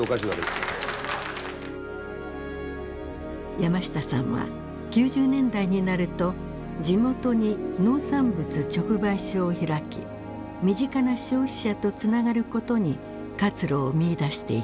山下さんは９０年代になると地元に農産物直売所を開き身近な消費者とつながることに活路を見いだしていきます。